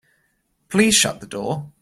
Please shut the door.